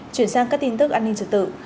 chuyển sang các tin tức an ninh trật tự